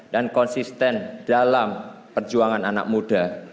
dan konsisten dalam perjuangan anak muda